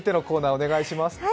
お願いします。